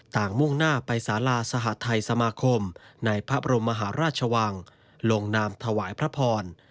มุ่งหน้าไปสาราสหทัยสมาคมในพระบรมมหาราชวังลงนามถวายพระพร